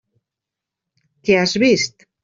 Què has vist?